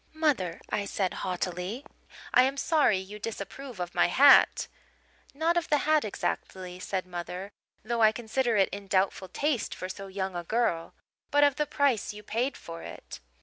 "'Mother,' I said haughtily, 'I am sorry you disapprove of my hat ' "'Not of the hat exactly,' said mother, 'though I consider it in doubtful taste for so young a girl but of the price you paid for it.'